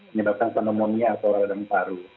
menyebabkan pneumonia atau organ paru